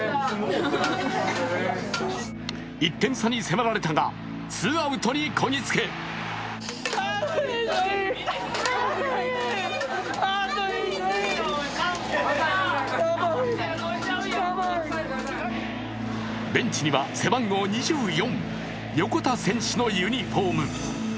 １点差に迫られたがツーアウトにこぎつけベンチには背番号２４横田選手のユニフォーム。